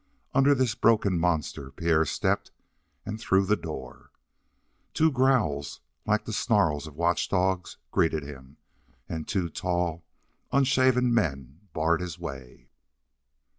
Under this broken monster Pierre stepped and through the door. Two growls like the snarls of watch dogs greeted him, and two tall, unshaven men barred his way.